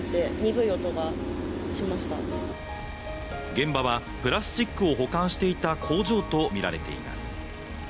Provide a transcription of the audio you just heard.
現場はプラスチックを保管していた工場とみられています。